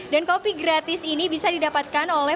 kopi gratis ini bisa didapatkan oleh